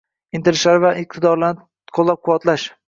intilishlari va iqtidorlarini qo‘llab-quvvatlash